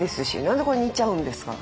何でこんな煮ちゃうんですか。